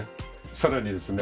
さらにですね